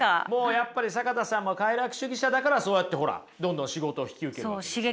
やっぱり坂田さんは快楽主義者だからそうやってほらどんどん仕事を引き受けるわけですよ。